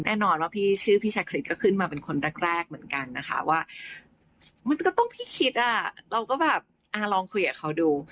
แน่นอนว่าพี่ชื่อพี่ชาคริสก็ขึ้นมาเป็นคนแรกเหมือนกันนะคะว่ามันก็ต้องพี่คิดอ่ะเราก็แบบลองคุยกับเขาดู